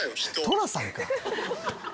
寅さんか。